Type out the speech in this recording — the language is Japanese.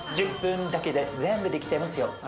１０分だけで全部できちゃいますよ。